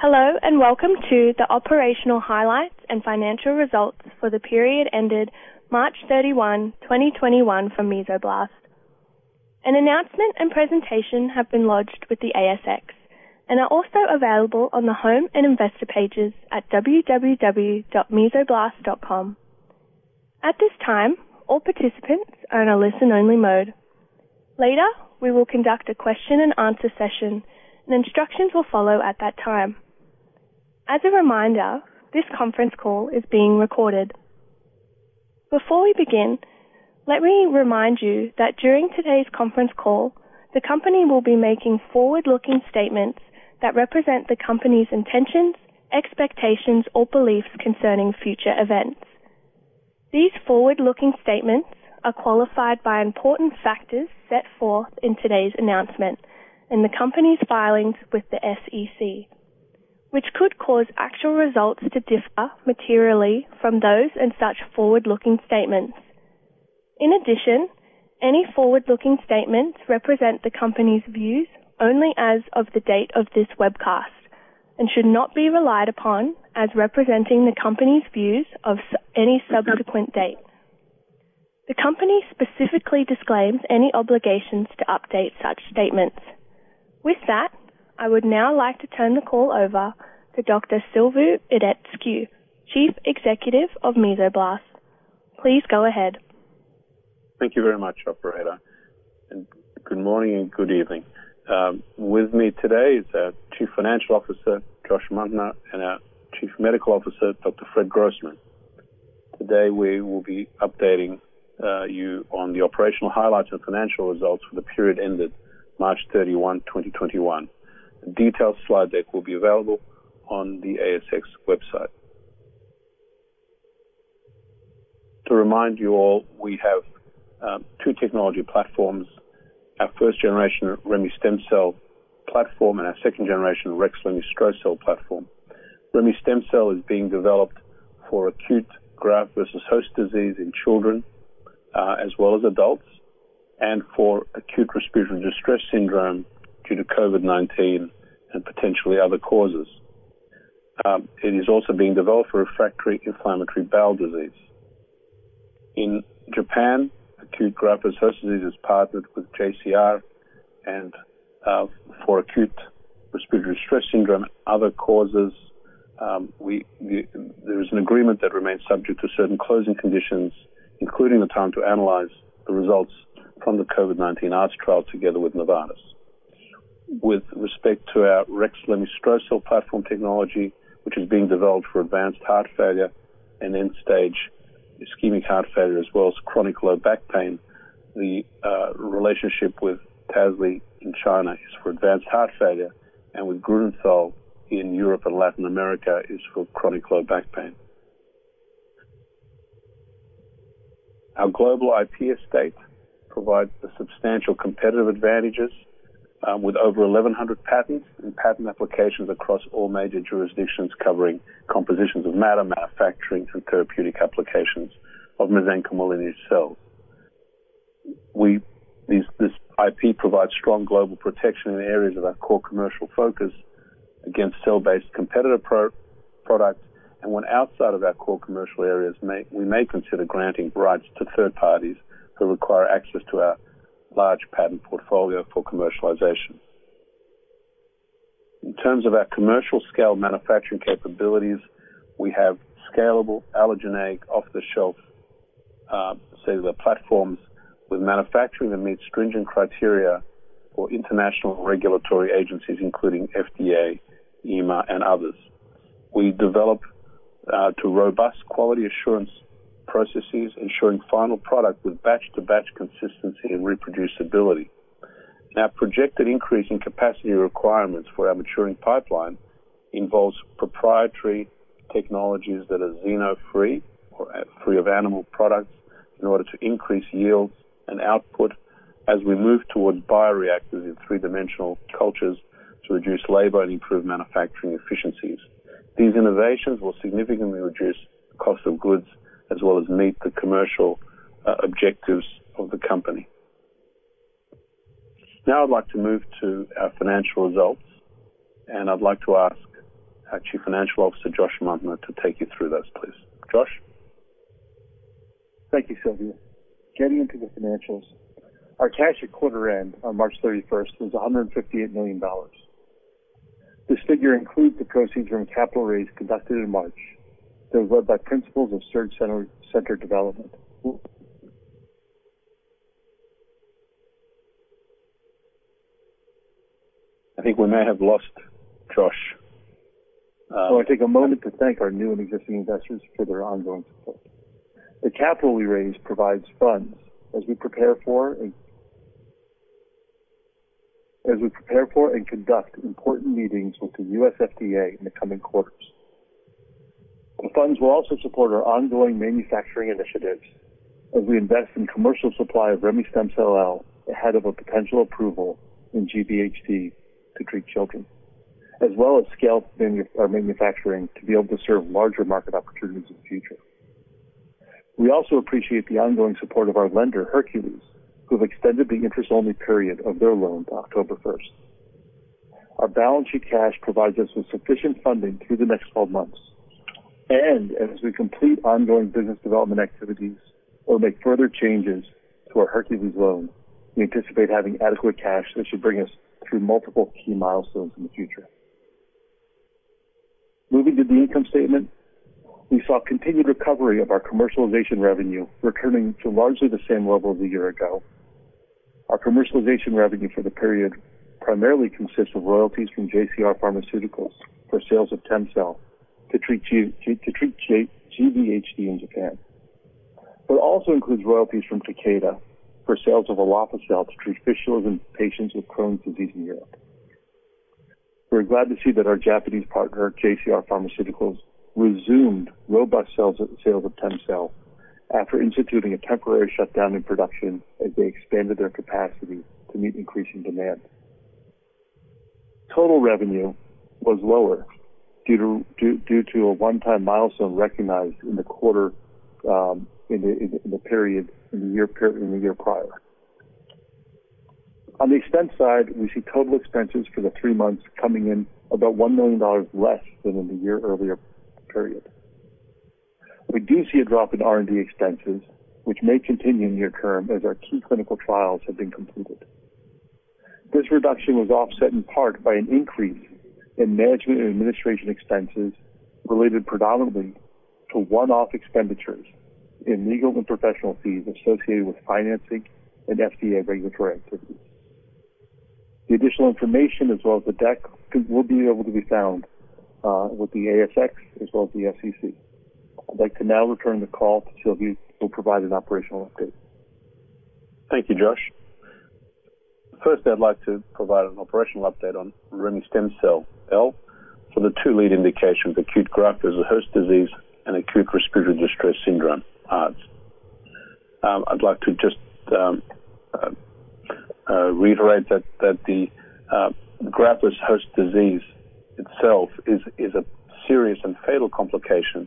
Hello, and welcome to the operational highlights and financial results for the period ended March 31, 2021, from Mesoblast. An announcement and presentation have been lodged with the ASX and are also available on the home and investor pages at www.mesoblast.com. At this time, all participants are in a listen-only mode. Later, we will conduct a question and answer session, and instructions will follow at that time. As a reminder, this conference call is being recorded. Before we begin, let me remind you that during today's conference call, the company will be making forward-looking statements that represent the company's intentions, expectations, or beliefs concerning future events. These forward-looking statements are qualified by important factors set forth in today's announcement in the company's filings with the SEC, which could cause actual results to differ materially from those and such forward-looking statements. In addition, any forward-looking statements represent the company's views only as of the date of this webcast and should not be relied upon as representing the company's views of any subsequent date. The company specifically disclaims any obligations to update such statements. With that, I would now like to turn the call over to Dr. Silviu Itescu, Chief Executive of Mesoblast. Please go ahead. Thank you very much, operator, and good morning and good evening. With me today is our Chief Financial Officer, Josh Muntner, and our Chief Medical Officer, Dr. Fred Grossman. Today, we will be updating you on the operational highlights and financial results for the period ended March 31, 2021. A detailed slide deck will be available on the ASX website. To remind you all, we have two technology platforms, our first-generation remestemcel-L platform and our second-generation rexlemestrocel-L platform. remestemcel-L is being developed for acute graft versus host disease in children as well as adults, and for acute respiratory distress syndrome due to COVID-19 and potentially other causes. It is also being developed for refractory inflammatory bowel disease. In Japan, acute graft versus host disease is partnered with JCR, and for acute respiratory distress syndrome, other causes, there is an agreement that remains subject to certain closing conditions, including the time to analyze the results from the COVID-19 ARDS trial together with Novartis. With respect to our rexlemestrocel-L platform technology, which is being developed for advanced heart failure and end-stage ischemic heart failure, as well as chronic low back pain, the relationship with Tasly in China is for advanced heart failure, and with Grünenthal in Europe and Latin America is for chronic low back pain. Our global IP estate provides substantial competitive advantages with over 1,100 patents and patent applications across all major jurisdictions covering compositions of matter, manufacturing, and therapeutic applications of mesenchymal lineage cells. This IP provides strong global protection in areas of our core commercial focus against cell-based competitor products, and when outside of our core commercial areas, we may consider granting rights to third parties who require access to our large patent portfolio for commercialization. In terms of our commercial-scale manufacturing capabilities, we have scalable, allogeneic, off-the-shelf cellular platforms with manufacturing that meets stringent criteria for international regulatory agencies, including FDA, EMA, and others. We develop to robust quality assurance processes, ensuring final product with batch-to-batch consistency and reproducibility. Our projected increase in capacity requirements for our maturing pipeline involves proprietary technologies that are xeno-free or free of animal products in order to increase yields and output as we move towards bioreactors in three-dimensional cultures to reduce labor and improve manufacturing efficiencies. These innovations will significantly reduce cost of goods as well as meet the commercial objectives of the company. I'd like to move to our financial results, and I'd like to ask our Chief Financial Officer, Josh Muntner, to take you through those, please. Josh? Thank you, Silviu. Getting into the financials, our cash at quarter end on March 31st was $158 million. This figure includes the proceeds from capital raise conducted in March that was led by principals of SurgCenter Development. I think we may have lost Josh. I take a moment to thank our new and existing investors for their ongoing support. The capital we raised provides funds as we prepare for and conduct important meetings with the U.S. FDA in the coming quarters. The funds will also support our ongoing manufacturing initiatives as we invest in commercial supply of remestemcel-L ahead of a potential approval in GVHD to treat children, as well as scale our manufacturing to be able to serve larger market opportunities in the future. We also appreciate the ongoing support of our lender, Hercules, who have extended the interest-only period of their loan to October 1st. Our balance sheet cash provides us with sufficient funding through the next 12 months. As we complete ongoing business development activities or make further changes to our Hercules loan, we anticipate having adequate cash that should bring us through multiple key milestones in the future. Moving to the income statement, we saw continued recovery of our commercialization revenue returning to largely the same level as a year ago. Our commercialization revenue for the period primarily consists of royalties from JCR Pharmaceuticals for sales of TEMCELL to treat GVHD in Japan. It also includes royalties from Takeda for sales of Alofisel to treat fistulae in patients with Crohn's disease in Europe. We're glad to see that our Japanese partner, JCR Pharmaceuticals, resumed robust sales of TEMCELL after instituting a temporary shutdown in production as they expanded their capacity to meet increasing demand. Total revenue was lower due to a one-time milestone recognized in the year prior. On the expense side, we see total expenses for the three months coming in about $1 million less than in the year earlier period. We do see a drop in R&D expenses, which may continue in the near term as our key clinical trials have been completed. This reduction was offset in part by an increase in management and administration expenses related predominantly to one-off expenditures in legal and professional fees associated with financing and FDA regulatory activities. The additional information as well as the deck will be able to be found with the ASX as well as the SEC. I'd like to now return the call to Silviu who will provide an operational update. Thank you, Josh. First, I'd like to provide an operational update on remestemcel-L for the two lead indications, acute graft-versus-host disease and acute respiratory distress syndrome, ARDS. I'd like to just reiterate that the graft-versus-host disease itself is a serious and fatal complication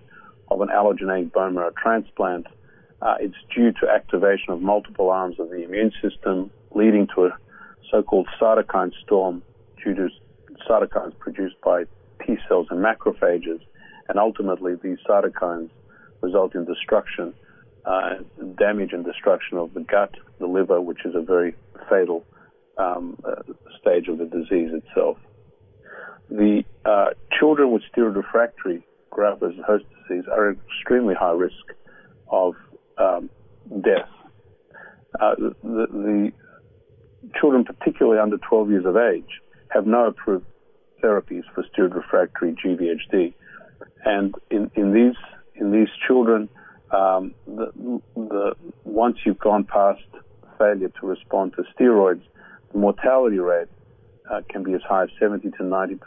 of an allogeneic bone marrow transplant. It's due to activation of multiple arms of the immune system, leading to a so-called cytokine storm due to cytokines produced by T cells and macrophages. Ultimately, these cytokines result in damage and destruction of the gut, the liver, which is a very fatal stage of the disease itself. The children with steroid-refractory graft-versus-host disease are at extremely high risk of death. The children, particularly under 12 years of age, have no approved therapies for steroid-refractory GVHD. In these children, once you've gone past failure to respond to steroids, the mortality rate can be as high as 70%-90%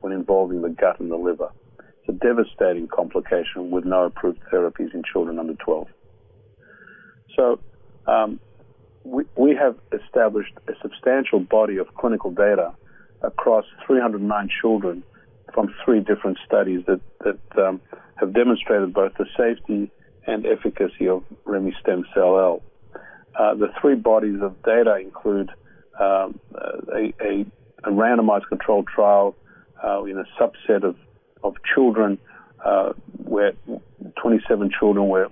when involving the gut and the liver. It's a devastating complication with no approved therapies in children under 12. We have established a substantial body of clinical data across 309 children from three different studies that have demonstrated both the safety and efficacy of remestemcel-L. The three bodies of data include a randomized controlled trial in a subset of children, where 27 children where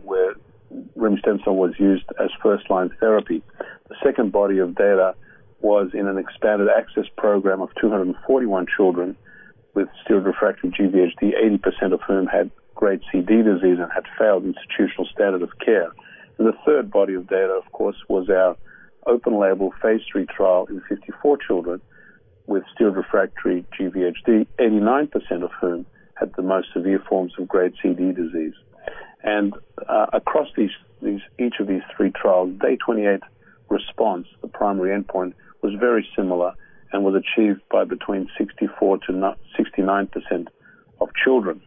remestemcel was used as first-line therapy. The second body of data was in an expanded access program of 241 children with steroid-refractory GVHD, 80% of whom had grade C/D disease and had failed institutional standard of care. The third body of data, of course, was our open-label phase III trial in 54 children with steroid-refractory GVHD, 89% of whom had the most severe forms of grade C/D disease. Across each of these three trials, day 28 response, the primary endpoint, was very similar and was achieved by between 64%-69% of children.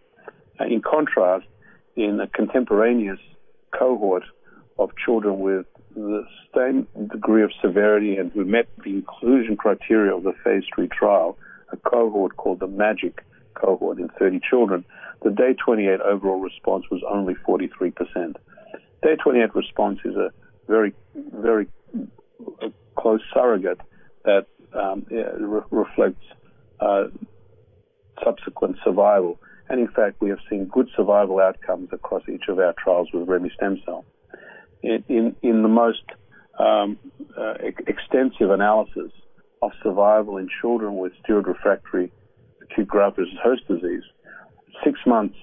In contrast, in a contemporaneous cohort of children with the same degree of severity and who met the inclusion criteria of the phase III trial, a cohort called the MAGIC cohort in 30 children, the day 28 overall response was only 43%. Day 28 response is a very close surrogate that reflects subsequent survival. In fact, we have seen good survival outcomes across each of our trials with remestemcel. In the most extensive analysis of survival in children with steroid-refractory acute graft-versus-host disease, six months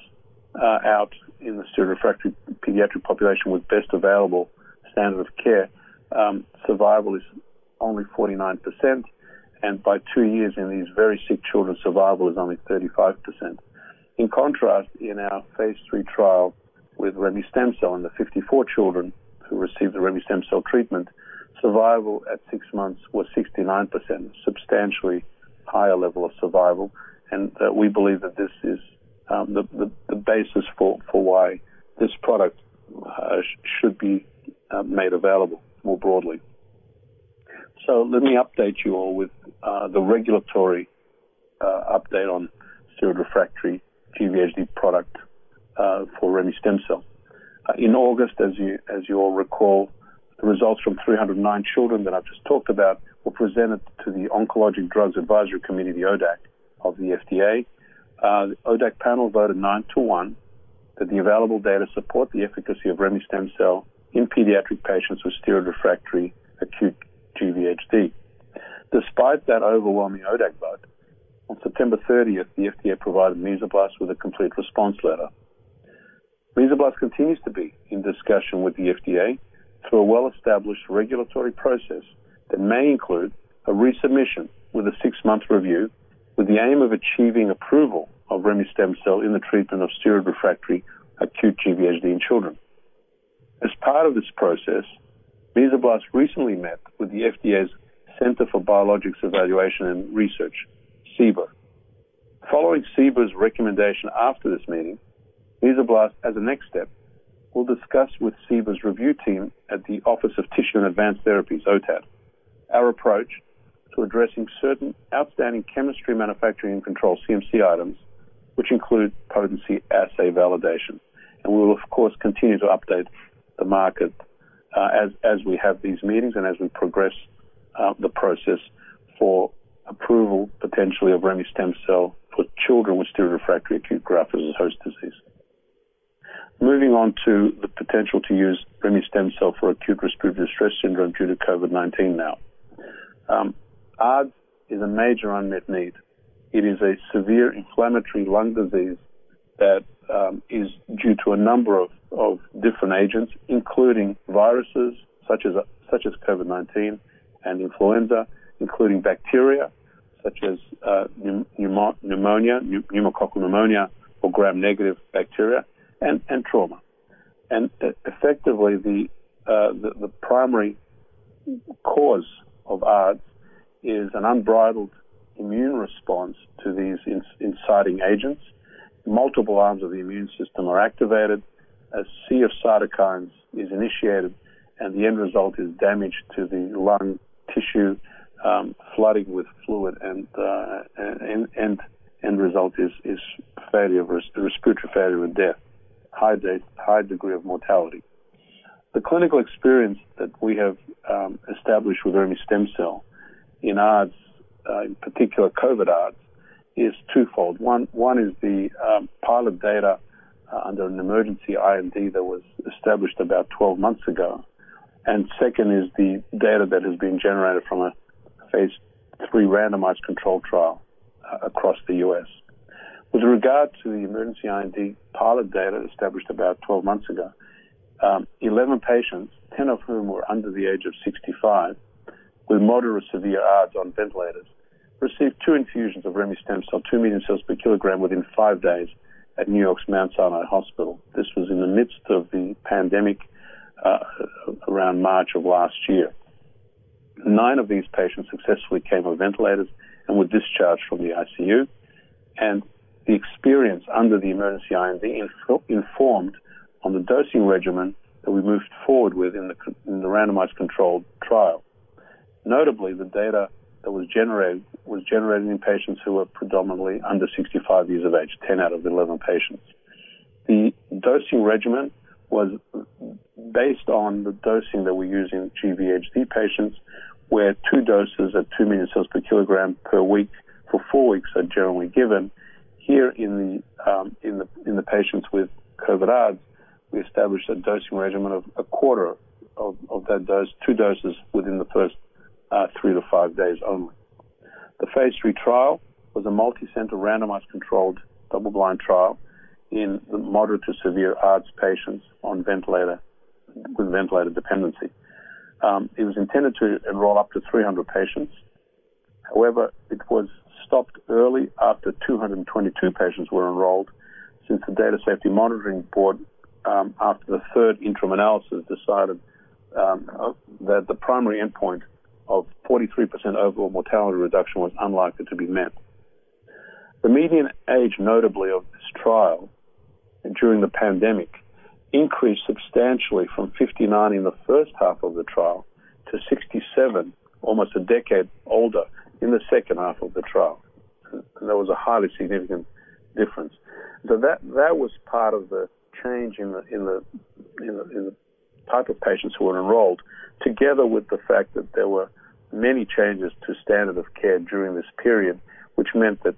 out in the steroid-refractory pediatric population with best available standard of care, survival is only 49%, and by two years in these very sick children, survival is only 35%. In contrast, in our phase III trial with remestemcel-L in the 54 children who received the remestemcel-L treatment, survival at six months was 69%, substantially higher level of survival. We believe that this is the basis for why this product should be made available more broadly. Let me update you all with the regulatory update on steroid-refractory GVHD product for remestemcel. In August, as you all recall, the results from 309 children that I've just talked about were presented to the Oncologic Drugs Advisory Committee, the ODAC of the FDA. The ODAC panel voted nine to one that the available data support the efficacy of remestemcel in pediatric patients with steroid-refractory acute GVHD. Despite that overwhelming ODAC vote, on September 30th, the FDA provided Mesoblast with a complete response letter. Mesoblast continues to be in discussion with the FDA through a well-established regulatory process that may include a resubmission with a six-month review with the aim of achieving approval of remestemcel in the treatment of steroid-refractory acute GVHD in children. As part of this process, Mesoblast recently met with the FDA's Center for Biologics Evaluation and Research, CBER. Following CBER's recommendation after this meeting, Mesoblast, as a next step, will discuss with CBER's review team at the Office of Tissue and Advanced Therapies, OTAT, our approach to addressing certain outstanding chemistry manufacturing and control, CMC items, which included potency assay validation. We'll, of course, continue to update the market as we have these meetings and as we progress the process for approval, potentially, of remestemcel for children with steroid-refractory acute graft-versus-host disease. Moving on to the potential to use remestemcel for acute respiratory distress syndrome due to COVID-19 now. ARDS is a major unmet need. It is a severe inflammatory lung disease that is due to a number of different agents, including viruses such as COVID-19 and influenza, including bacteria such as pneumococcal pneumonia or gram-negative bacteria, and trauma. Effectively, the primary cause of ARDS is an unbridled immune response to these inciting agents. Multiple arms of the immune system are activated, a sea of cytokines is initiated, and the end result is damage to the lung tissue, flooding with fluid, and end result is respiratory failure and death, high degree of mortality. The clinical experience that we have established with remestemcel in ARDS, in particular COVID-19 ARDS, is twofold. One is the pilot data under an emergency IND that was established about 12 months ago. Second is the data that has been generated from a phase III randomized control trial across the U.S. With regard to the emergency IND pilot data established about 12 months ago, 11 patients, 10 of whom were under the age of 65, with moderate severe ARDS on ventilators, received two infusions of remestemcel, 2 million cells per kilogram within five days at New York's Mount Sinai Hospital. This was in the midst of the pandemic, around March of last year. Nine of these patients successfully came off ventilators and were discharged from the ICU. The experience under the emergency IND informed on the dosing regimen that we moved forward with in the randomized controlled trial. Notably, the data that was generated was generated in patients who were predominantly under 65 years of age, 10 out of 11 patients. The dosing regimen was based on the dosing that we use in GVHD patients, where two doses at 2 million cells per kilogram per week for four weeks are generally given. Here in the patients with COVID-19 ARDS, we established a dosing regimen of a quarter of that dose, two doses within the first three to five days only. The phase III trial was a multicenter, randomized, controlled, double-blind trial in moderate to severe ARDS patients with ventilator dependency. It was intended to enroll up to 300 patients. However, it was stopped early after 222 patients were enrolled, since the data safety monitoring board, after the third interim analysis, decided that the primary endpoint of 43% overall mortality reduction was unlikely to be met. The median age, notably, of this trial and during the pandemic increased substantially from 59 in the first half of the trial to 67, almost a decade older, in the second half of the trial. That was a highly significant difference. That was part of the change in the type of patients who were enrolled, together with the fact that there were many changes to standard of care during this period, which meant that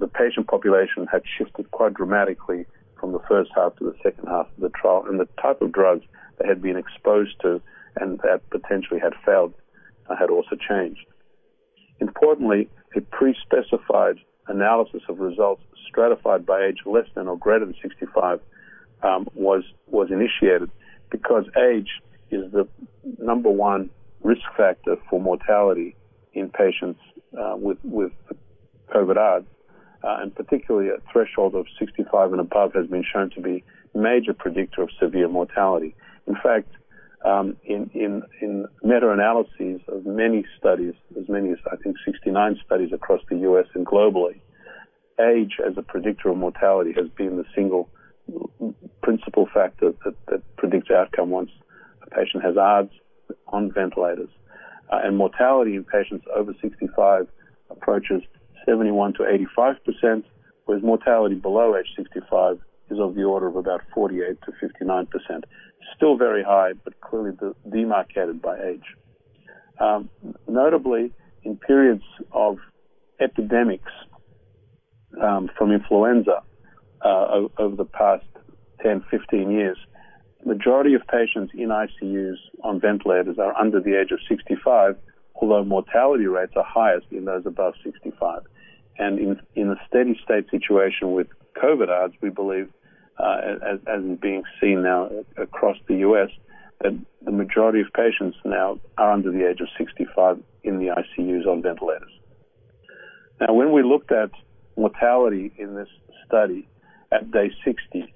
the patient population had shifted quite dramatically from the first half to the second half of the trial, and the type of drugs they had been exposed to and that potentially had failed had also changed. Importantly, a pre-specified analysis of results stratified by age less than or greater than 65 was initiated because age is the number one risk factor for mortality in patients with COVID ARDS, and particularly a threshold of 65 and above has been shown to be a major predictor of severe mortality. In fact, in meta-analyses of many studies, as many as I think 69 studies across the U.S. and globally. Age as a predictor of mortality has been the single principal factor that predicts outcome once a patient has ARDS on ventilators. Mortality in patients over 65 approaches 71%-85%, whereas mortality below age 65 is of the order of about 48%-59%. Still very high, clearly demarcated by age. Notably, in periods of epidemics from influenza over the past 10, 15 years, the majority of patients in ICUs on ventilators are under the age of 65, although mortality rates are highest in those above 65. In a steady state situation with COVID-ARDS, we believe, as being seen now across the U.S., the majority of patients now are under the age of 65 in the ICUs on ventilators. When we looked at mortality in this study at day 60,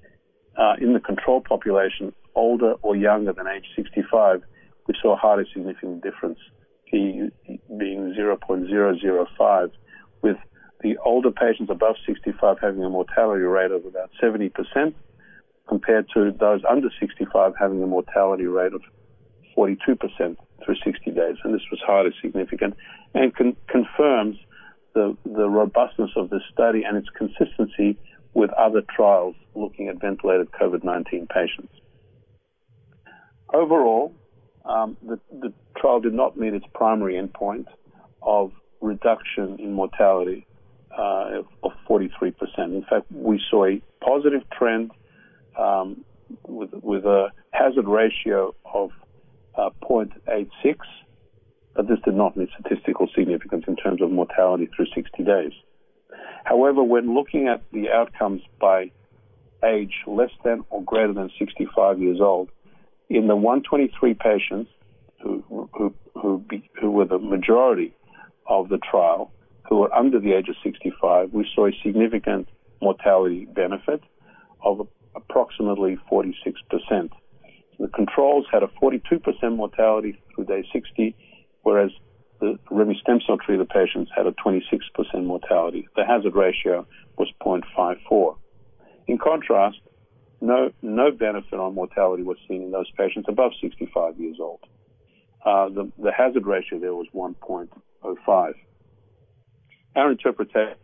in the control population, older or younger than age 65, we saw a highly significant difference, being 0.005, with the older patients above 65 having a mortality rate of about 70%, compared to those under 65 having a mortality rate of 42% through 60 days. This was highly significant and confirms the robustness of this study and its consistency with other trials looking at ventilated COVID-19 patients. Overall, the trial did not meet its primary endpoint of reduction in mortality of 43%. We saw a positive trend with a hazard ratio of 0.86, but this did not meet statistical significance in terms of mortality through 60 days. When looking at the outcomes by age less than or greater than 65 years old, in the 123 patients who were the majority of the trial, who were under the age of 65, we saw a significant mortality benefit of approximately 46%. The controls had a 42% mortality through day 60, whereas the remestemcel treated patients had a 26% mortality. The hazard ratio was 0.54. No benefit on mortality was seen in those patients above 65 years old. The hazard ratio there was 1.05. Our interpretation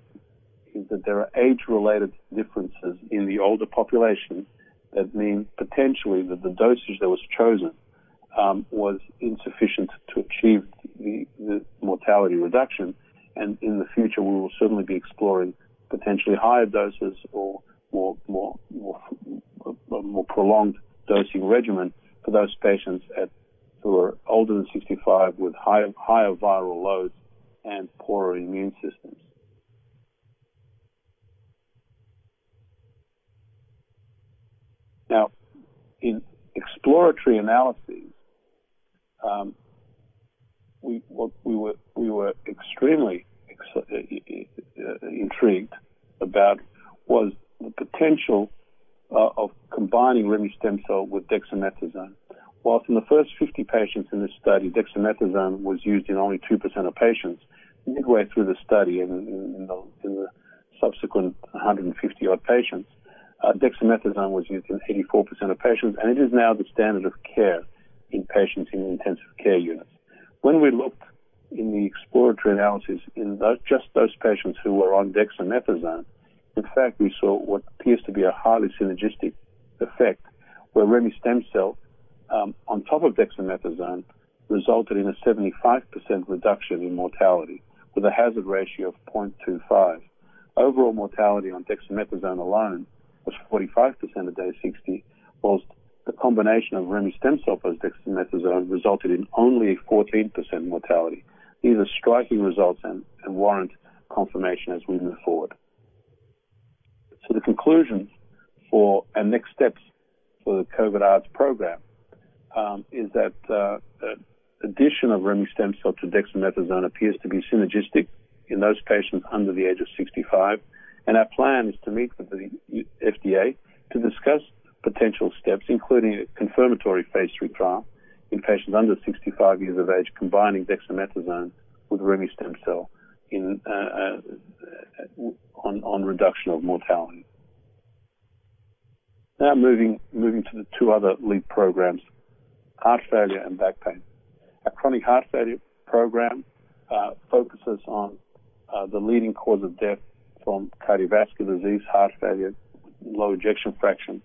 is that there are age-related differences in the older population that mean potentially that the dosage that was chosen was insufficient to achieve the mortality reduction, and in the future, we will certainly be exploring potentially higher doses or more prolonged dosing regimen for those patients who are older than 65 with higher viral loads and poorer immune systems. Now, in exploratory analyses, what we were extremely intrigued about was the potential of combining remestemcel with dexamethasone. While from the first 50 patients in this study, dexamethasone was used in only 2% of patients, midway through the study in the subsequent 150-odd patients, dexamethasone was used in 84% of patients, and it is now the standard of care in patients in intensive care units. When we looked in the exploratory analysis in just those patients who were on dexamethasone, in fact, we saw what appears to be a highly synergistic effect, where remestemcel on top of dexamethasone resulted in a 75% reduction in mortality with a hazard ratio of 0.25. Overall mortality on dexamethasone alone was 45% at day 60, whilst the combination of remestemcel-L plus dexamethasone resulted in only a 14% mortality. These are striking results and warrant confirmation as we move forward. The conclusion for our next steps for the COVID-ARDS program is that the addition of remestemcel to dexamethasone appears to be synergistic in those patients under the age of 65, and our plan is to meet with the FDA to discuss potential steps, including a confirmatory phase III trial in patients under 65 years of age, combining dexamethasone with remestemcel on reduction of mortality. Moving to the two other lead programs, heart failure and back pain. Our chronic heart failure program focuses on the leading cause of death from cardiovascular disease, heart failure, low ejection fraction.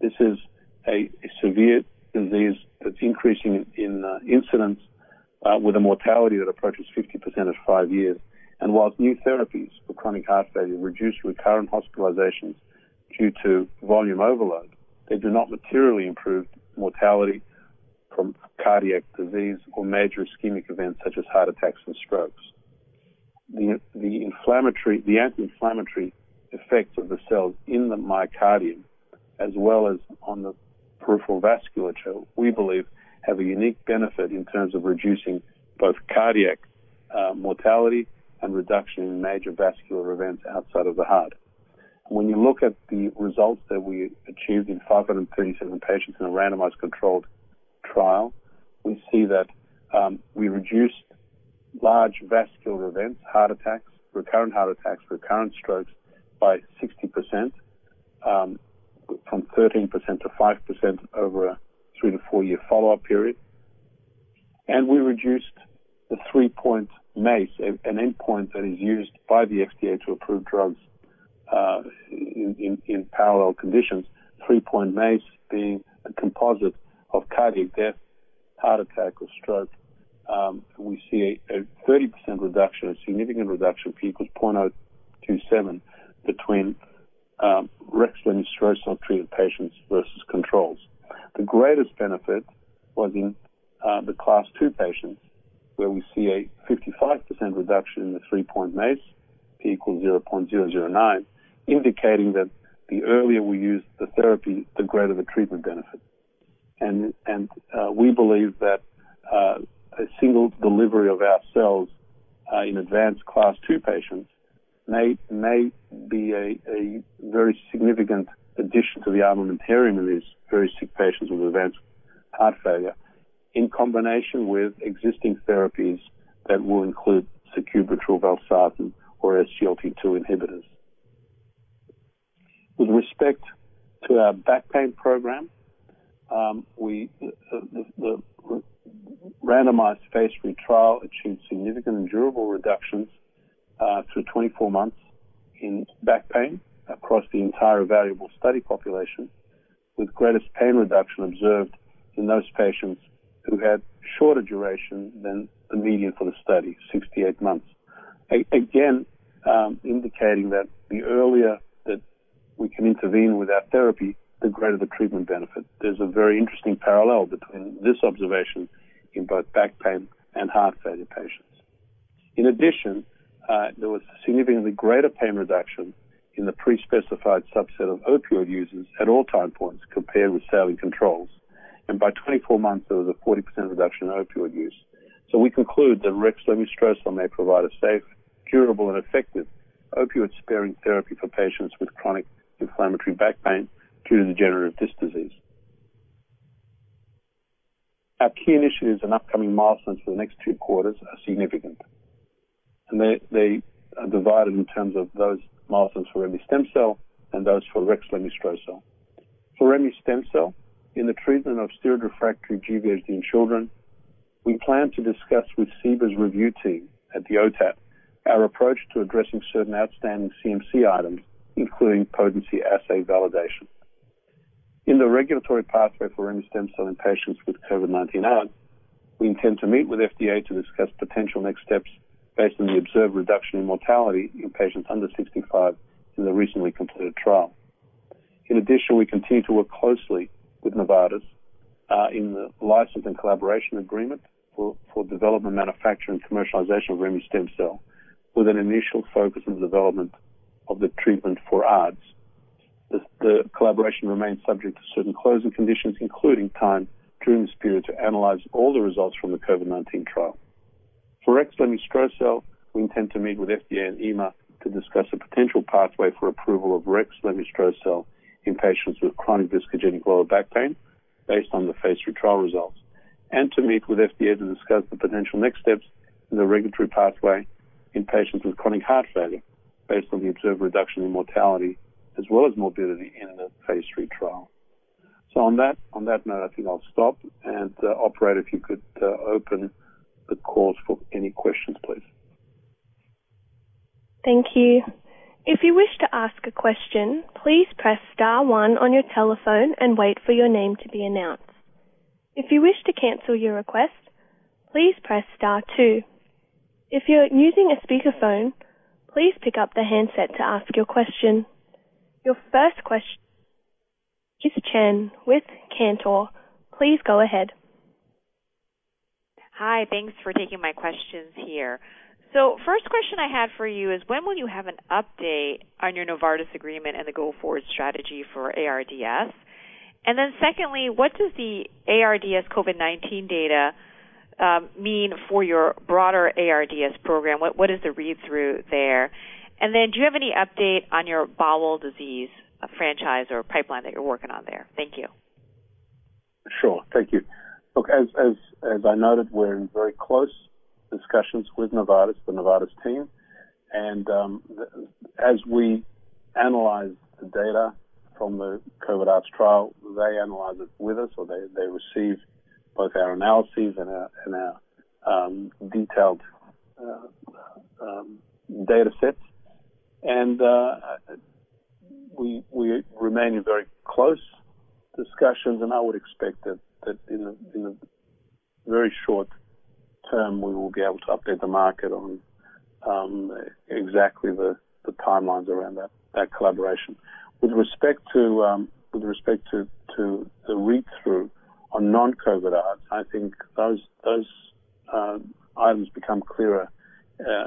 This is a severe disease that's increasing in incidence with a mortality that approaches 50% at five years. While new therapies for chronic heart failure reduce recurrent hospitalizations due to volume overload, they do not materially improve mortality from cardiac disease or major ischemic events such as heart attacks and strokes. The anti-inflammatory effects of the cells in the myocardium, as well as on the peripheral vasculature, we believe, have a unique benefit in terms of reducing both cardiac mortality and reduction in major vascular events outside of the heart. When you look at the results that we achieved in 537 patients in a randomized controlled trial, we see that we reduced large vascular events, heart attacks, recurrent heart attacks, recurrent strokes by 60%, from 13%-5% over a three-to-four-year follow-up period. And we reduced the 3-point MACE, an endpoint that is used by the FDA to approve drugs in parallel conditions, 3-point MACE being a composite of cardiac death, heart attack, or stroke. We see a 30% reduction, a significant reduction, P = 0.027 between rexlemestrocel treated patients versus controls. The greatest benefit was in the Class 2 patients, where we see a 55% reduction in the 3-point MACE, P = 0.009, indicating that the earlier we use the therapy, the greater the treatment benefit. We believe that a single delivery of our cells in advanced Class 2 patients may be a very significant addition to the armamentarium of these very sick patients with advanced heart failure, in combination with existing therapies that will include sacubitril/valsartan or SGLT2 inhibitors. With respect to our back pain program, the randomized phase III trial achieved significant and durable reductions to 24 months in back pain across the entire evaluable study population, with greatest pain reduction observed in those patients who had shorter duration than the median for the study, 68 months. Again, indicating that the earlier that we can intervene with our therapy, the greater the treatment benefit. There's a very interesting parallel between this observation in both back pain and heart failure patients. In addition, there was a significantly greater pain reduction in the pre-specified subset of opioid users at all time points compared with saline controls, and by 24 months, there was a 40% reduction in opioid use. We conclude that rexlemestrocel may provide a safe, curable, and effective opioid-sparing therapy for patients with chronic inflammatory back pain due to degenerative disc disease. Our key initiatives and upcoming milestones for the next two quarters are significant, and they are divided in terms of those milestones for remestemcel-L and those for rexlemestrocel. For remestemcel, in the treatment of steroid-refractory GVHD in children, we plan to discuss with CBER's review team at the OTAT our approach to addressing certain outstanding CMC items, including potency assay validation. In the regulatory pathway for remestemcel in patients with COVID-19 ARDS, we intend to meet with FDA to discuss potential next steps based on the observed reduction in mortality in patients under 65 in the recently completed trial. In addition, we continue to work closely with Novartis in the license and collaboration agreement for development, manufacture, and commercialization of remestemcel, with an initial focus on development of the treatment for ARDS. The collaboration remains subject to certain closing conditions, including time during this period to analyze all the results from the COVID-19 trial. For rexlemestrocel, we intend to meet with FDA and EMA to discuss a potential pathway for approval of rexlemestrocel in patients with chronic discogenic lower back pain based on the phase III trial results, and to meet with FDA to discuss the potential next steps in the regulatory pathway in patients with chronic heart failure based on the observed reduction in mortality as well as morbidity in the phase III trial. On that note, I think I'll stop, and operator, if you could open the calls for any questions, please. Thank you. If you wish to ask a question, please press star one on your telephone and wait for your name to be announced. If you wish to cancel your request, please press star two. If you're using a speakerphone, please pick up the handset to ask your question. Your first question. [Louise Chen] with Cantor, please go ahead. Hi. Thanks for taking my questions here. First question I had for you is when will you have an update on your Novartis agreement and the go-forward strategy for ARDS? Secondly, what does the ARDS COVID-19 data mean for your broader ARDS program? What is the read-through there? Do you have any update on your bowel disease franchise or pipeline that you're working on there? Thank you. Sure. Thank you. Look, as I noted, we're in very close discussions with Novartis, the Novartis team. As we analyze the data from the COVID-ARDS trial, they analyze it with us, or they receive both our analyses and our detailed data sets. We remain in very close discussions, and I would expect that in a very short term, we will be able to update the market on exactly the timelines around that collaboration. With respect to the read-through on non-COVID ARDS, I think those items become clearer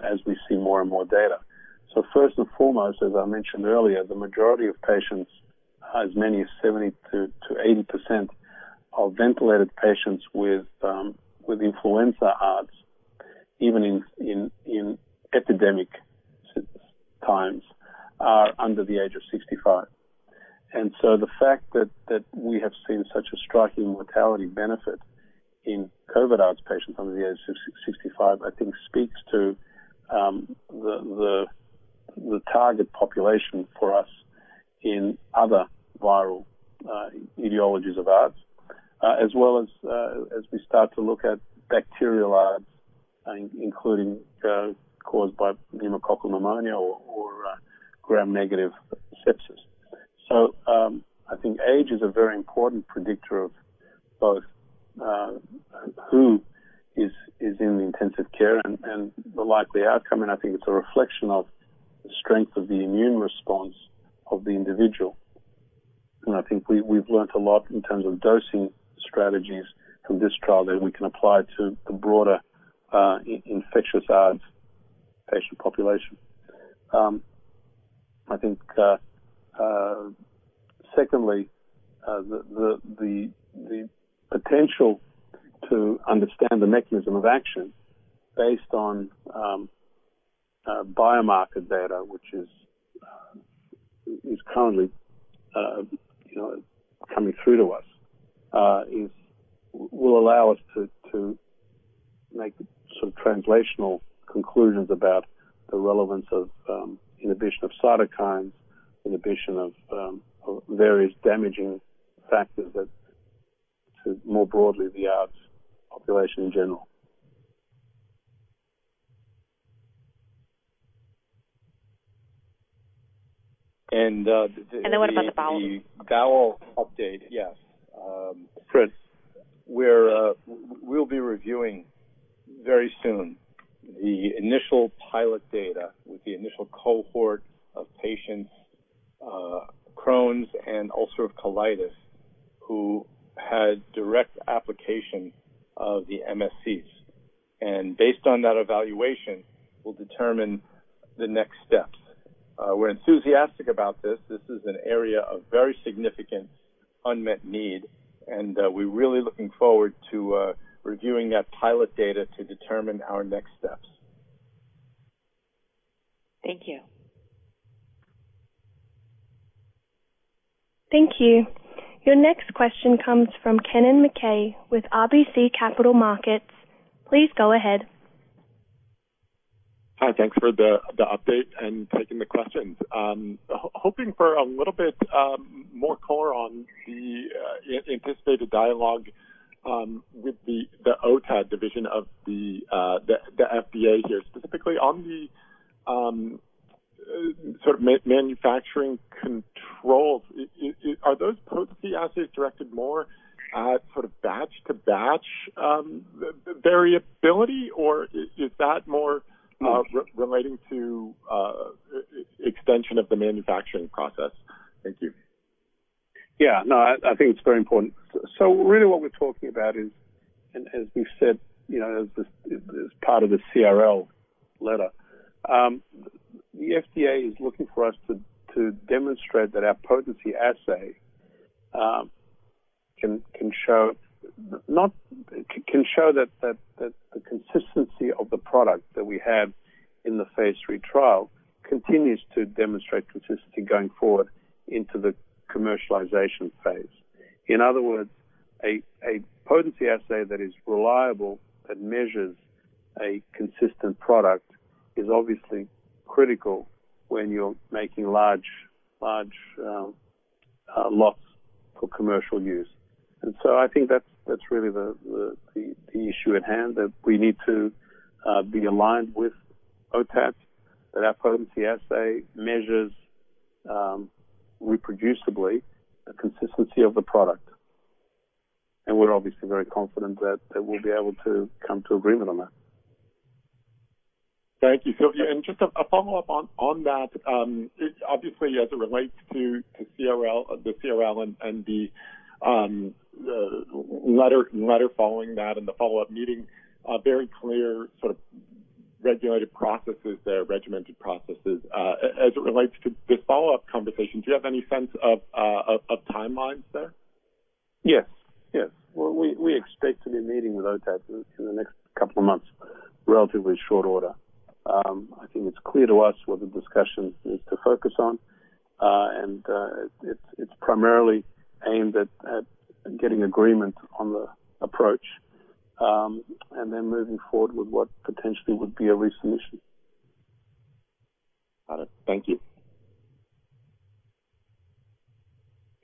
as we see more and more data. First and foremost, as I mentioned earlier, the majority of patients, as many as 70%-80% of ventilated patients with influenza ARDS. Even in epidemic times are under the age of 65. The fact that we have seen such a striking mortality benefit in COVID ARDS patients under the age of 65, I think speaks to the target population for us in other viral etiologies of ARDS, as well as we start to look at bacterial ARDS, including those caused by pneumococcal pneumonia or gram-negative sepsis. I think age is a very important predictor of both who is in the intensive care and the likely outcome. I think it's a reflection of the strength of the immune response of the individual. I think we've learned a lot in terms of dosing strategies from this trial that we can apply to the broader infectious ARDS patient population. I think, secondly, the potential to understand the mechanism of action based on biomarker data, which is currently coming through to us, will allow us to make some translational conclusions about the relevance of inhibition of cytokines, inhibition of various damaging factors to more broadly the ARDS population in general. The bowel update? The bowel update, yes. Fred. We'll be reviewing very soon the initial pilot data with the initial cohort of patients, Crohn's and ulcerative colitis, who had direct application of the MSCs. Based on that evaluation, we'll determine the next steps. We're enthusiastic about this. This is an area of very significant unmet need, and we're really looking forward to reviewing that pilot data to determine our next steps. Thank you. Thank you. Your next question comes from Kennen MacKay with RBC Capital Markets. Please go ahead. Hi, thanks for the update and taking the questions. Hoping for a little bit more color on the anticipated dialogue with the OTAT division of the FDA here, specifically on the sort of manufacturing controls. Are those potency assays directed more at sort of batch-to-batch variability, or is that more relating to extension of the manufacturing process? Thank you. Yeah, no, I think it's very important. Really what we're talking about is, and as we said, as part of the CRL letter, the FDA is looking for us to demonstrate that our potency assay can show that the consistency of the product that we have in the phase III trial continues to demonstrate consistency going forward into the commercialization phase. In other words, a potency assay that is reliable, that measures a consistent product is obviously critical when you're making large lots for commercial use. I think that's really the issue at hand, that we need to be aligned with OTAT, that our potency assay measures reproducibly the consistency of the product. We're obviously very confident that we'll be able to come to agreement on that. Thank you. Just a follow-up on that. Obviously, as it relates to the CRL and the letter following that and the follow-up meeting, very clear sort of regulated processes there, regimented processes. As it relates to the follow-up conversation, do you have any sense of timelines there? Yes. Well, we expect to be meeting with OTAT within the next couple of months, relatively short order. I think it's clear to us what the discussions need to focus on, and it's primarily aimed at getting agreement on the approach, and then moving forward with what potentially would be a resubmission. Got it. Thank you.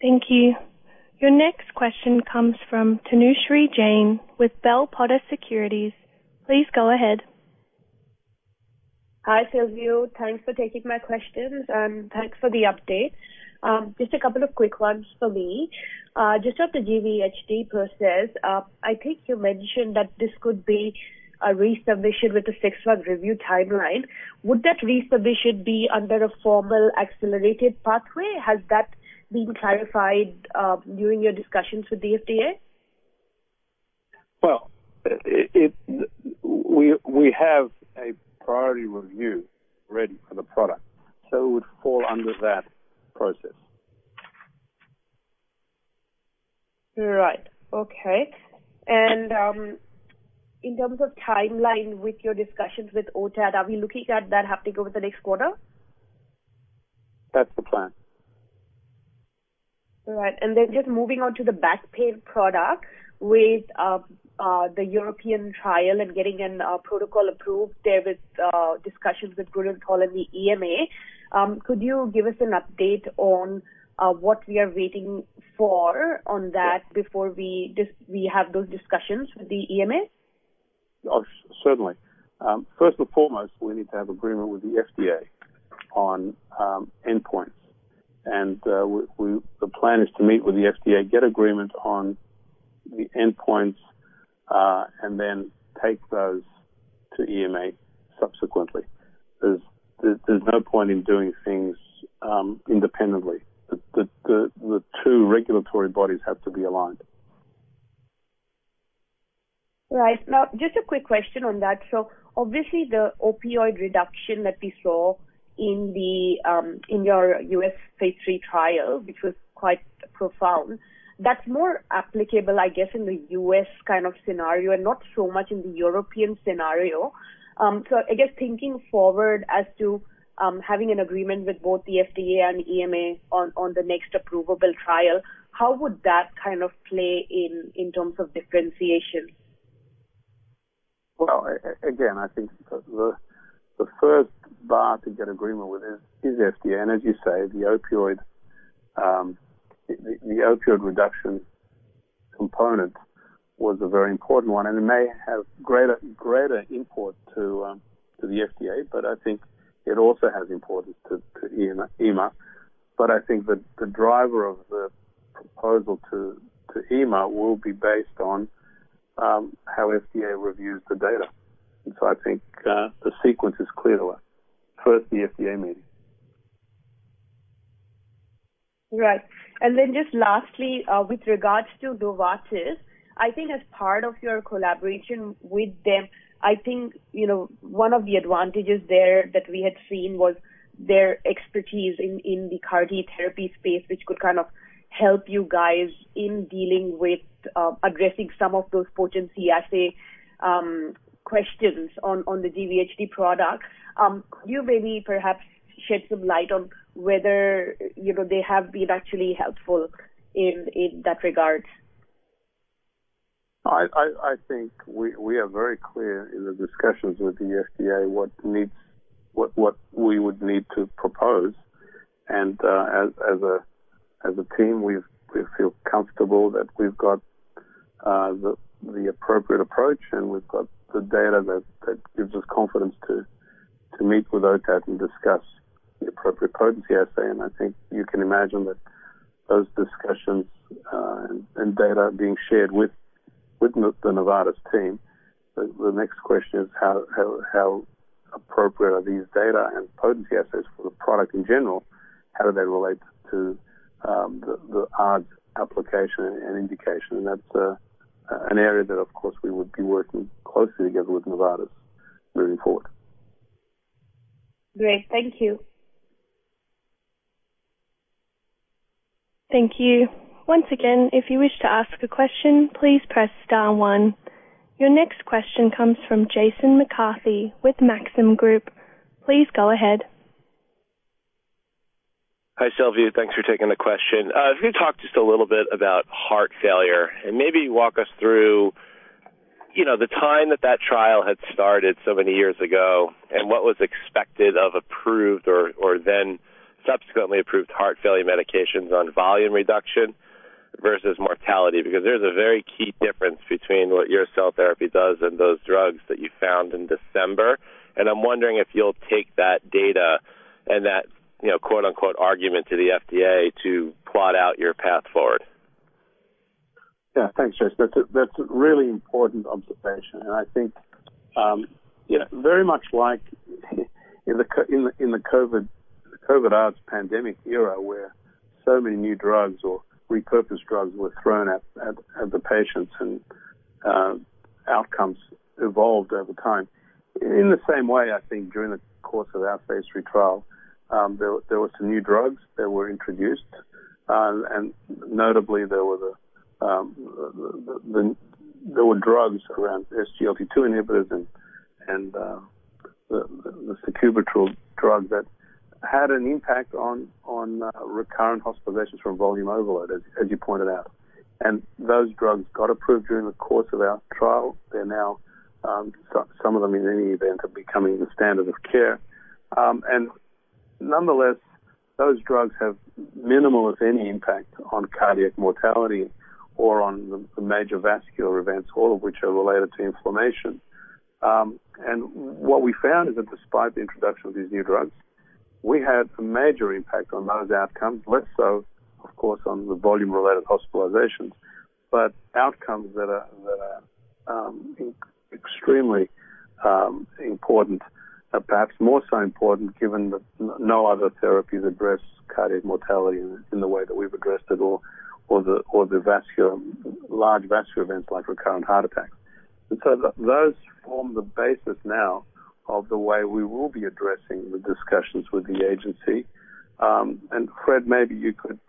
Thank you. Your next question comes from Tanushree Jain with Bell Potter Securities. Please go ahead. Hi, Silviu. Thanks for taking my questions, and thanks for the update. Just a couple of quick ones for me. Just on the GVHD process, I think you mentioned that this could be a resubmission with a six-month review timeline. Would that resubmission be under a formal accelerated pathway? Has that been clarified during your discussions with the FDA? Well, we have a priority review ready for the product, so it would fall under that process. Right. Okay. In terms of timeline with your discussions with OTAT, are we looking at that having to go to the next quarter? That's the plan. All right. Then just moving on to the back pain product with the European trial and getting a protocol approved there discussions with regard to quality EMA. Could you give us an update on what we are waiting for on that before we have those discussions with the EMA? Certainly. First and foremost, we need to have agreement with the FDA on endpoints. And the plan is to meet with the FDA and get agreement on the endpoints and then take those to EMA subsequently. There's no point in doing things independently. The two regulatory bodies have to be aligned. Right. Now, just a quick question on that. Obviously, the opioid reduction that we saw in your U.S. phase III trial, which was quite profound, that's more applicable, I guess, in the U.S. kind of scenario and not so much in the European scenario. So I guess thinking forward as to having an agreement with both the FDA and EMA on the next approvable trials, how would that kind of play in terms of differentiation? Again, I think the first part to get agreement with is the FDA. The [energy savings], the opioid reduction component was a very important one, and it may have greater import to the FDA, but I think it also has importance to EMA. But I think that the driver of the proposal to EMA will be based on how FDA reviews the data. So I think the sequence is clear. First, the FDA meeting. Right. And then just lastly, with regards to Novartis, I think as part of your collaboration with them, I think one of the advantages there that we had seen was their expertise in the CAR-T therapy space, which could kind of help you guys in dealing with addressing some of those potency assay questions on the GVHD products. Do you maybe perhaps shed some light on whether they have been actually helpful in that regard? I think we are very clear in the discussions with the FDA what we would need to propose. As a team, we feel comfortable that we've got the appropriate approach, and we've got the data that gives us confidence to meet with OTAT and discuss the appropriate potency assay. I think you can imagine that those discussions, and data are being shared with the Novartis team. The next question is how appropriate are these data and potency assays for the product in general? How do they relate to the application and indication? That's an area that, of course, we would be working closely together with Novartis moving forward. Great. Thank you. Thank you. Once again, if you wish to ask a question, please press star one. Your next question comes from Jason McCarthy with Maxim Group. Please go ahead. Hi, Silviu. Thanks for taking the question. Can you talk just a little bit about heart failure and maybe walk us through the time that that trial had started so many years ago and what was expected of approved, or then subsequently approved heart failure medications on volume reduction versus mortality? There's a very key difference between what your cell therapy does and those drugs that you found in December. I'm wondering if you'll take that data and that "argument" to the FDA to plot out your path forward. Yeah. Thanks, Jason. That's a really important observation. I think, very much like in the COVID-19 pandemic era, where so many new drugs or repurposed drugs were thrown at the patients and outcomes evolved over time. In the same way, I think during the course of our phase III trial, there were some new drugs that were introduced, notably, there were drugs around SGLT2 inhibitors and the sacubitril drug that had an impact on recurrent hospitalizations from volume overload, as you pointed out. Those drugs got approved during the course of our trial. Some of them, in any event, are becoming the standard of care. Nonetheless, those drugs have minimal, if any, impact on cardiac mortality or on major vascular events, all of which are related to inflammation. What we found is that despite the introduction of these new drugs, we had a major impact on those outcomes, less so, of course, on the volume-related hospitalizations, but outcomes that are extremely important, but perhaps more so important given that no other therapy has addressed cardiac mortality in the way that we've addressed it or the large vascular events like recurrent heart attacks. Those form the basis now of the way we will be addressing the discussions with the agency. Fred, maybe you could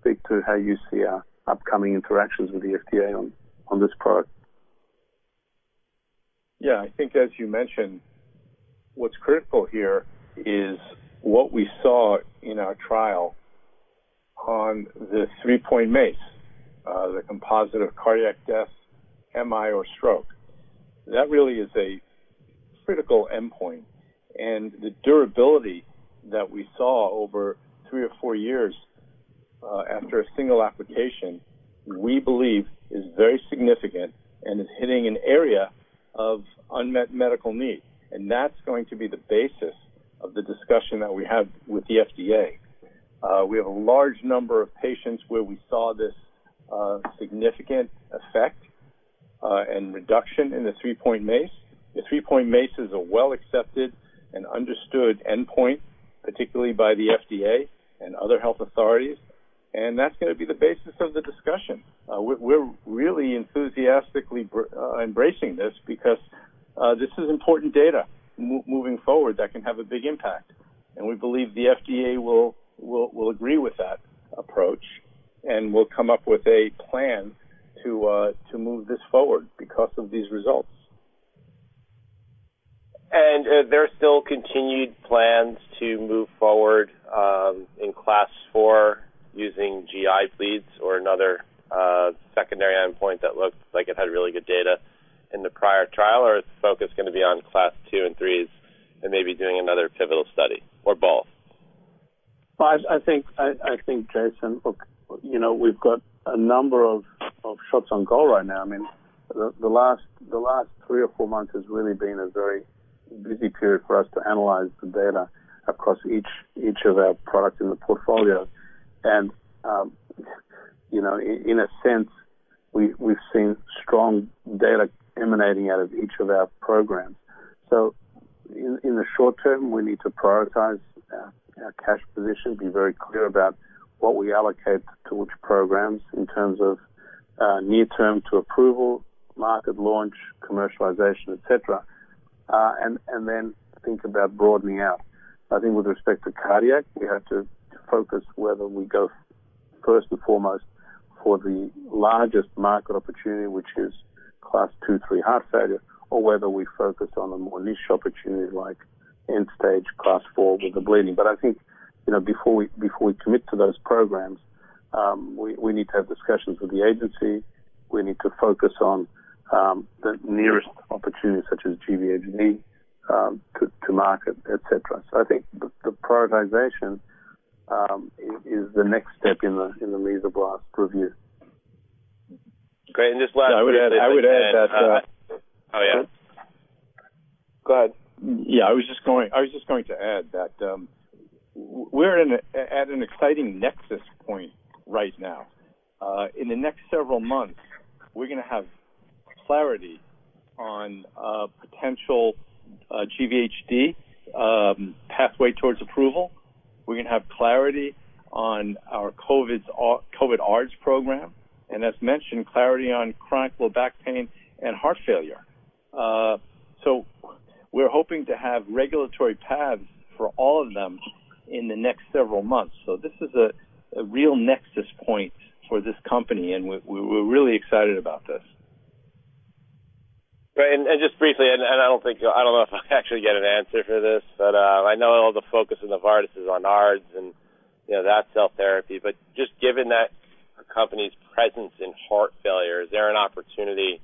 speak to how you see our upcoming interactions with the FDA on this product. Yeah. I think as you mentioned, what's critical here is what we saw in our trial on the 3-point MACE, the composite of cardiac death, MI or stroke. That really is a critical endpoint. The durability that we saw over three or four years after a single application, we believe is very significant and is hitting an area of unmet medical need. That's going to be the basis of the discussion that we have with the FDA. We have a large number of patients where we saw this significant effect and reduction in the 3-point MACE. The 3-point MACE is a well accepted and understood endpoint, particularly by the FDA and other health authorities, and that's going to be the basis of the discussion. We're really enthusiastically embracing this because this is important data moving forward that can have a big impact, and we believe the FDA will agree with that approach and will come up with a plan to move this forward because of these results. Are there still continued plans to move forward in Class IV using GI bleeds or another secondary endpoint that looks like it had really good data in the prior trial? Is the focus going to be on Class 2 and 3's and maybe doing another pivotal study or both? I think, Jason, look, we've got a number of shots on goal right now. The last three or four months has really been a very busy period for us to analyze the data across each of our products in the portfolio. In a sense, we've seen strong data emanating out of each of our programs. In the short term, we need to prioritize our cash position, be very clear about what we allocate to which programs in terms of near term to approval, market launch, commercialization, et cetera, and then think about broadening out. I think with respect to cardiac, we have to focus whether we go first and foremost for the largest market opportunity, which is Class 2, 3 heart failure, or whether we focus on a more niche opportunity like end stage Class 4 with the bleeding. I think before we commit to those programs, we need to have discussions with the agency. We need to focus on the nearest opportunity, such as GVHD to market, et cetera. I think the prioritization is the next step in the Mesoblast review. Great. I would add that. Oh, yeah. Go ahead. Yeah, I was just going to add that we're at an exciting nexus point right now. In the next several months, we're going to have clarity on a potential GVHD pathway towards approval. We're going to have clarity on our COVID-ARDS program and, as mentioned, clarity on chronic low back pain and heart failure. We're hoping to have regulatory paths for all of them in the next several months. This is a real nexus point for this company, and we're really excited about this. Great. Just briefly, I don't know if I'll actually get an answer to this, I know all the focus of Novartis is on ARDS and that cell therapy. Just given that the company's presence in heart failure, is there an opportunity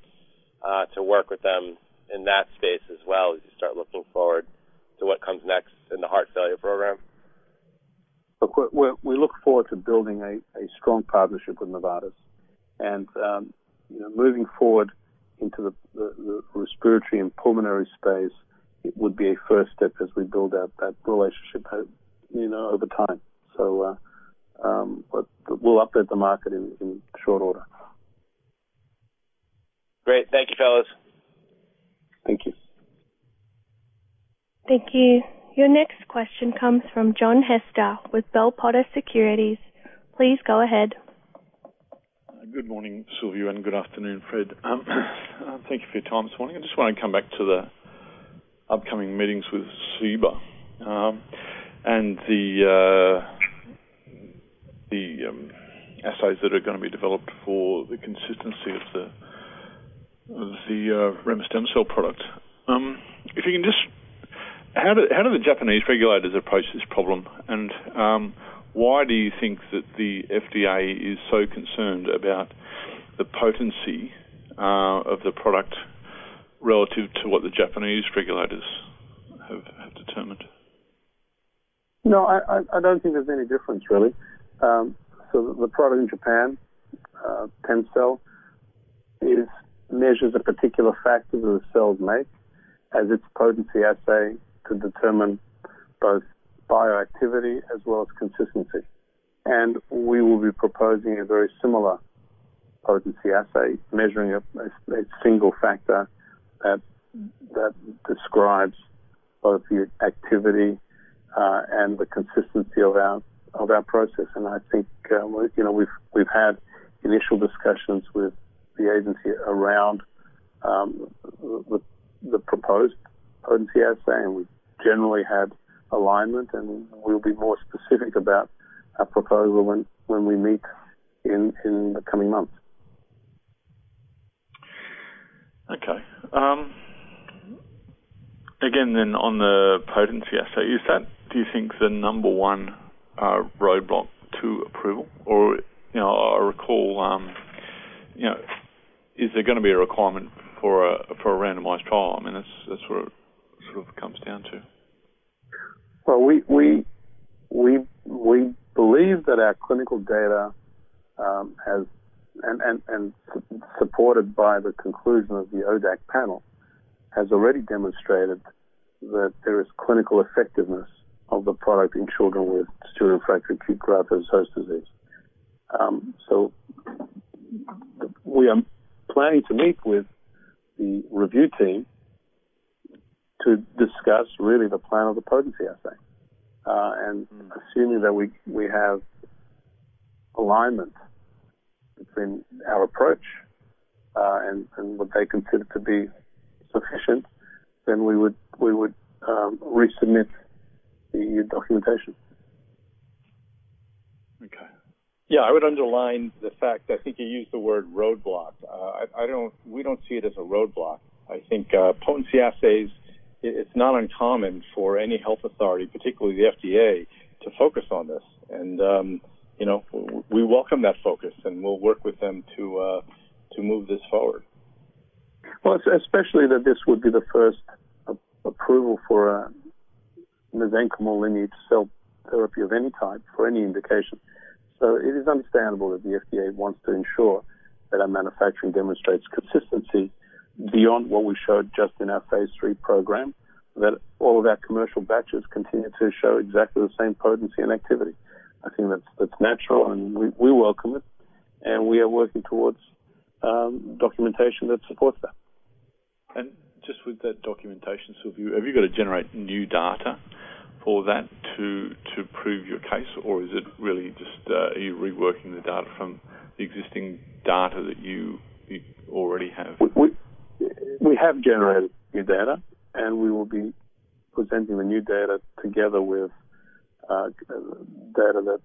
to work with them in that space as well as you start looking forward to what comes next in the heart failure program? We look forward to building a strong partnership with Novartis and moving forward into the respiratory and pulmonary space. It would be a first step as we build out that relationship over time. We'll update the market in short order. Great. Thank you, fellas. Thank you. Thank you. Your next question comes from John Hester with Bell Potter Securities. Please go ahead. Good morning, Silviu, and good afternoon, Fred. Thank you for your time this morning. I just want to come back to the upcoming meetings with CBER and the assays that are going to be developed for the consistency of the remestemcel product. How do the Japanese regulators approach this problem? Why do you think that the FDA is so concerned about the potency of the product relative to what the Japanese regulators have determined? No, I don't think there's any difference really. The product in Japan, TEMCELL, measures a particular factor that the cells make as its potency assay to determine both bioactivity as well as consistency. We will be proposing a very similar potency assay measuring a single factor. That describes both the activity and the consistency of our process. I think we've had initial discussions with the agency around the proposed potency assay, we've generally had alignment, we'll be more specific about our proposal when we meet in the coming months. Okay. Again, on the potency assay, is that do you think the number one roadblock to approval? I recall, is there going to be a requirement for a randomized trial? I mean, that's what it sort of comes down to. We believe that our clinical data, supported by the conclusion of the ODAC panel, has already demonstrated that there is clinical effectiveness of the product in children with steroid-refractory acute graft-versus-host disease. We are planning to meet with the review team to discuss really the plan of the potency assay. Assuming that we have alignment between our approach, and what they consider to be sufficient, then we would resubmit the documentation. Okay. Yeah. I would underline the fact I think you used the word roadblock. We don't see it as a roadblock. I think potency assays, it's not uncommon for any health authority, particularly the FDA, to focus on this. We welcome that focus and we'll work with them to move this forward. Well, especially that this would be the first approval for a mesenchymal lineage cell therapy of any kind for any indication. It is understandable that the FDA wants to ensure that our manufacturing demonstrates consistency beyond what we showed just in our phase III program, that all of our commercial batches continue to show exactly the same potency and activity. I think that's natural, and we welcome it, and we are working towards documentation that supports that. Just with that documentation, Silviu, have you got to generate new data for that to prove your case? Or is it really just are you reworking the data from the existing data that you already have? We have generated new data. We will be presenting the new data together with data that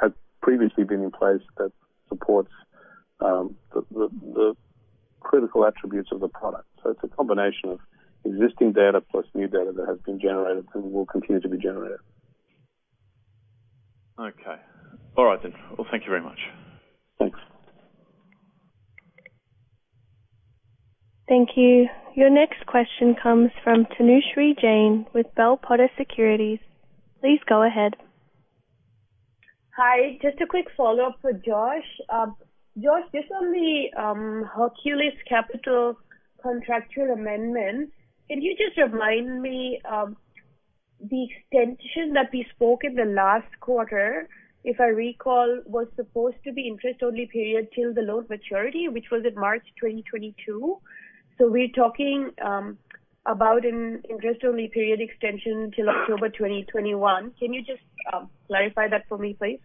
had previously been in place that supports the critical attributes of the product. It's a combination of existing data plus new data that has been generated or will continue to be generated. Okay. All right then. Well, thank you very much. Thanks. Thank you. Your next question comes from Tanushree Jain with Bell Potter Securities. Please go ahead. Hi. Just a quick follow-up for Josh. Josh, just on the Hercules Capital contractual amendment, can you just remind me of the extension that we spoke in the last quarter? If I recall, was supposed to be interest-only period till the loan maturity, which was in March 2022. We're talking about an interest-only period extension till October 2021. Can you just clarify that for me, please?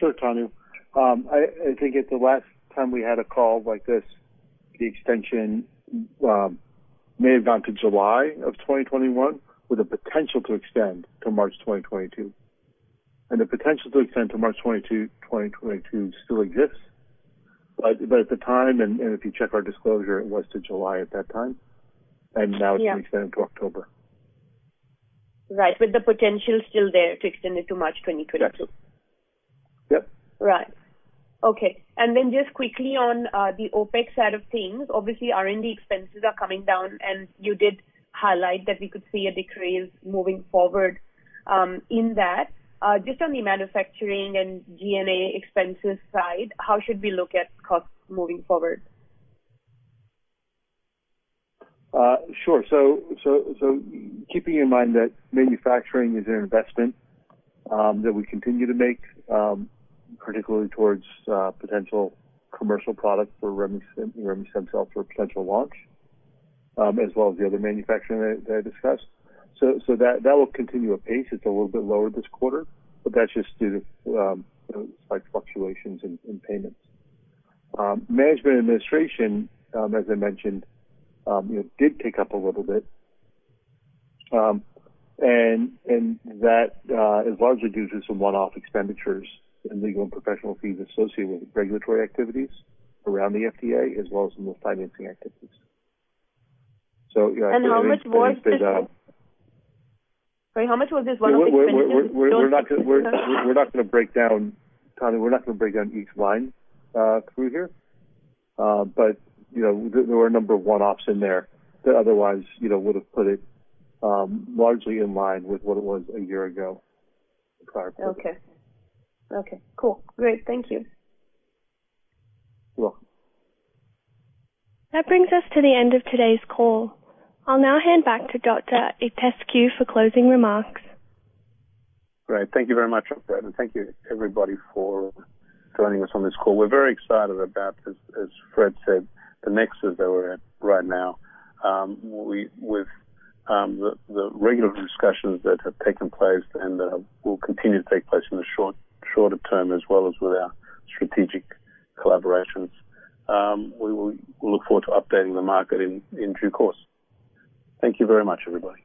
Sure, Tanu. I think at the last time we had a call like this, the extension may have gone to July of 2021 with the potential to extend to March 2022. The potential to extend to March 2022 still exists. At the time, and if you check our disclosure, it was to July at that time, and now it's extended to October. The potential is still there to extend it to March 2022. That's it. Yep. Right. Okay. Just quickly on the OpEx side of things, obviously R&D expenses are coming down, and you did highlight that you could see a decrease moving forward in that. Just on the manufacturing and G&A expenses side, how should we look at costs moving forward? Sure. Keeping in mind that manufacturing is an investment that we continue to make, particularly towards potential commercial product for remestemcel for potential launch, as well as the other manufacturing that I discussed. That will continue at pace. It's a little bit lower this quarter, but that's just due to slight fluctuations in payments. Management administration, as I mentioned, did tick up a little bit. That is largely due to some one-off expenditures in legal and professional fees associated with regulatory activities around the FDA as well as in the financing activities. How much was this one-off expenditure? Tanu, we're not going to break down each line through here, but there were a number of one-offs in there that otherwise would've put it largely in line with what it was a year ago prior. Okay. Cool. Great. Thank you. You're welcome. That brings us to the end of today's call. I'll now hand back to Dr. Itescu for closing remarks. Great. Thank you very much, Fred. Thank you everybody for joining us on this call. We're very excited about this, as Fred said, the nexus that we're at right now with the regulatory discussions that have taken place and that will continue to take place in the shorter term as well as with our strategic collaborations. We look forward to updating the market in due course. Thank you very much, everybody.